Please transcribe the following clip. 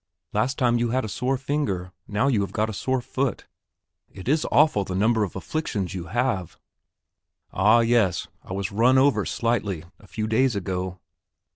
"Last time you had a sore finger, now you have got a sore foot; it is awful the number of afflictions you have." "Ah, yes. I was run over slightly, a few days ago."